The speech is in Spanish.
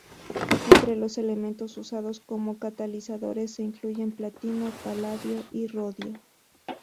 Entre los elementos usados como catalizadores se incluyen platino, paladio y rodio.